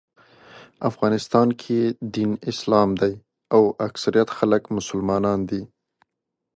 افغانستان کې دین اسلام دی او اکثریت خلک مسلمانان دي.